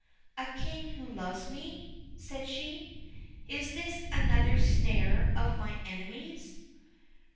'A King who loves me!' said she. 'Is this another snare of my enemies?'